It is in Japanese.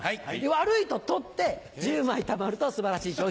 悪いと取って１０枚たまると素晴らしい賞品だから。